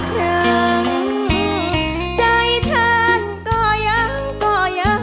สมาธิพร้อมเพลงพร้อมร้องได้ให้ล้านเพลงที่สองเพลงมาครับ